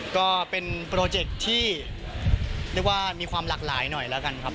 ก็เป็นโปรเจคที่เรียกว่ามีความหลากหลายหน่อยแล้วกันครับ